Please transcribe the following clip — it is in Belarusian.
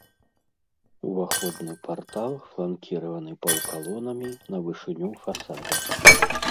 Уваходны партал фланкіраваны паўкалонамі на вышыню фасада.